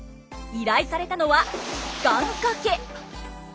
依頼されたのは願掛け！